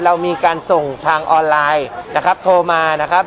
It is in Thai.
เรามีการส่งทางออนไลน์นะครับโทรมานะครับ